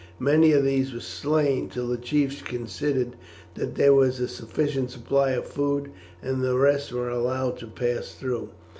Many of these were slain, till the chiefs considered that there was a sufficient supply of food, and the rest were then allowed to pass through.